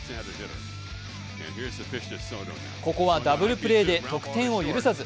ここはダブルプレーで得点を許さず。